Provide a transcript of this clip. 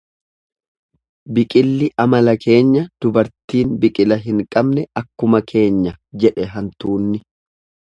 Biqilli amala keenya dubartiin biqila hin qabne akkuma keenya jedhe hantuunni.